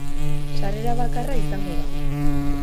Sarrera bakarra izango da.